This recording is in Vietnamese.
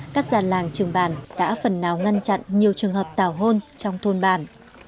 các già làng trường bản đã phần nào ngăn chặn nhiều trường hợp tảo hôn trong thôn bản